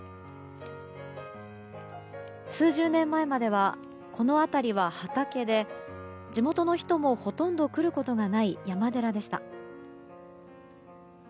数十年前まではこの辺りは畑で地元の人もほとんど来ることがない山寺でした。